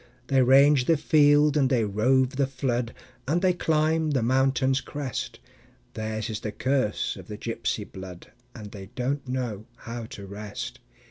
They range the field and they rove the flood, And they climb the mountain's crest; Theirs is the curse of the gypsy blood, And they don't know how to rest.